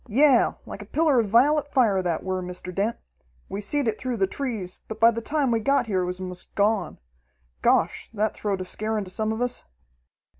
"Yeah, like a pillar of vi'let fire that were, Mr. Dent. We seed it through the trees, but by the time we got here it was 'most gone. Gosh, that throwed a scare into some of us!"